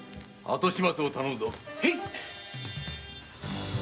後始末を頼むぞ。